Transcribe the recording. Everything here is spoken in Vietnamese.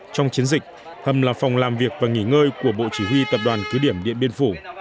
trong chiến dịch hầm là phòng làm việc và nghỉ ngơi của bộ chỉ huy tập đoàn cứ điểm điện biên phủ